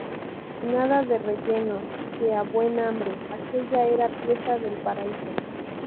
Nada de rellenos, que a buen hambre, aquella era pieza del paraíso.